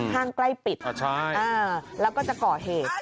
ห้างใกล้ปิดแล้วก็จะก่อเหตุ